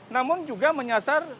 namun juga menyasar